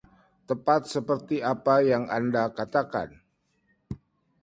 Tepat seperti apa yang Anda katakan.